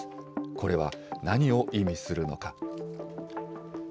これは、何を意味するのか。